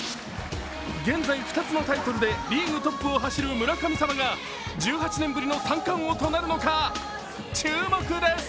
現在２つのタイトルでリーグトップを走る村神様が１８年ぶりの三冠王となるのか注目です。